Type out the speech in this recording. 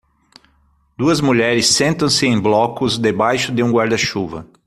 Duas mulheres sentam-se em blocos debaixo de um guarda-chuva.